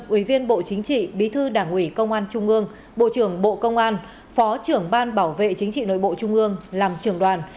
ủy viên bộ chính trị bí thư đảng ủy công an trung ương bộ trưởng bộ công an phó trưởng ban bảo vệ chính trị nội bộ trung ương làm trưởng đoàn